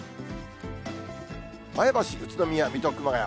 前橋、宇都宮、水戸、熊谷。